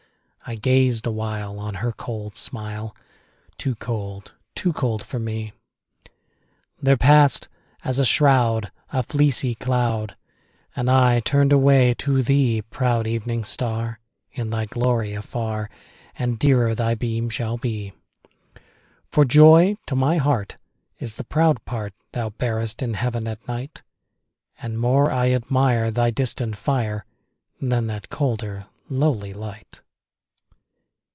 I gazed awhile On her cold smile; Too cold—too cold for me— There passed, as a shroud, A fleecy cloud, And I turned away to thee, Proud Evening Star, In thy glory afar And dearer thy beam shall be; For joy to my heart Is the proud part Thou bearest in Heaven at night, And more I admire Thy distant fire, Than that colder, lowly light.